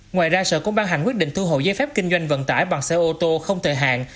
ngoài ra sở cũng ban hành quyết định thu hộ giấy phép kinh doanh vận tải bằng xe ô tô không thời hạn